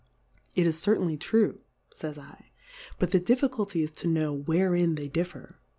It is certainly true, fays I ; but the Difficulty is to know wherein they dif fer.